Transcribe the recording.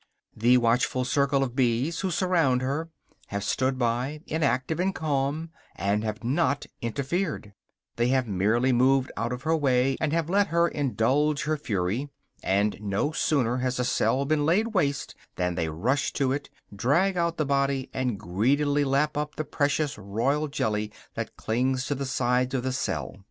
The watchful circle of bees who surround her have stood by, inactive and calm, and have not interfered; they have merely moved out of her way and have let her indulge her fury; and no sooner has a cell been laid waste than they rush to it, drag out the body, and greedily lap up the precious royal jelly that clings to the sides of the cell.